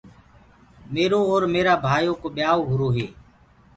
ميرو اور ميرآ ڀآئيو ڪو ٻيائوٚ هُرو هي۔